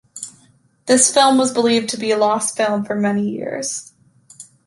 This film was believed to be a lost film for many years.